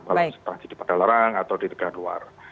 kalau transit di padalarang atau di tegah duar